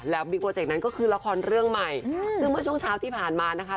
แล้วมีโปรเจกต์นั้นก็คือละครเรื่องใหม่ซึ่งเมื่อช่วงเช้าที่ผ่านมานะคะ